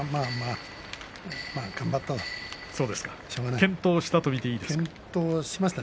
健闘したと見ていいですか。